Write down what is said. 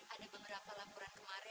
ada beberapa laporan kemarin